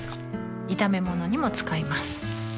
炒め物にも使います